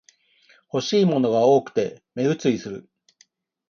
欲しいものが多くて目移りする